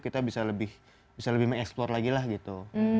kita bisa lebih mengeksplor lagi lah gitu